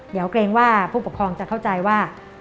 เดี๋ยวเกรงว่าผู้ปกครองจะเข้าใจว่า